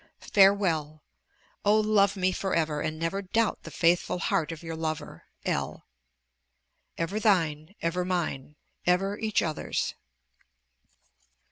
Farewell! Oh, love me for ever, and never doubt the faithful heart of your lover, L. Ever thine. Ever mine. Ever each other's.